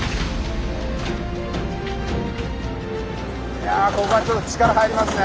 いやここはちょっと力入りますね。